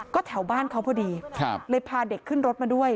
ก็แถวบ้านเขาพอดีเลยพาเด็กขึ้นรถมาด้วย